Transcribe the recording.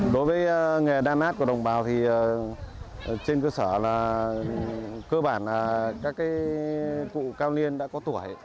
đối với nghề đan lát của đồng bào thì trên cơ sở là cơ bản là các cụ cao niên đã có tuổi